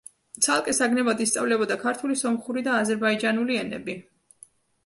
ცალკე საგნებად ისწავლებოდა ქართული, სომხური და აზერბაიჯანული ენები.